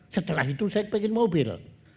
setelah itu saya pengen mobil